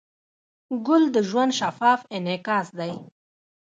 ګل د ژوند شفاف انعکاس دی.